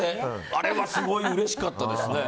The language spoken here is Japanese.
あれはすごいうれしかったですね。